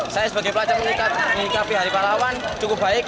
saya sebagai pelajar mengikapi hari pahlawan cukup baik